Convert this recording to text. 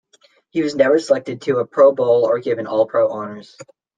He was never selected to a Pro-Bowl or given All-Pro honours.